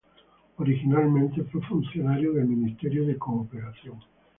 Originalmente fue funcionario del Ministerio de Cooperación.